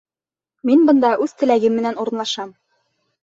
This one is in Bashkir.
Мин бында үҙ теләгем менән урынлашам!